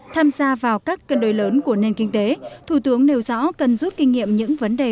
tham gia vào các cân đối lớn của nền kinh tế thủ tướng nêu rõ cần rút kinh nghiệm những vấn đề